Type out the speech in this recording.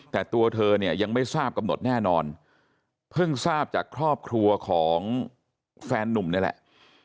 แต่ตัวเธอเนี่ยยังไม่ทราบกำหนดแน่นอนเพิ่งทราบจากครอบครัวของแฟนนุ่มนี่แหละ